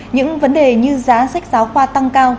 những vấn đề như giá sách giáo khoa tăng cao